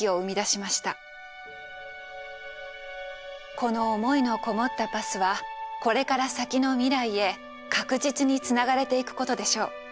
この思いのこもったパスはこれから先の未来へ確実につながれていくことでしょう。